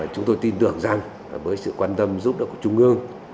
chúng tôi tin tưởng rằng với sự quan tâm giúp đỡ của trung ương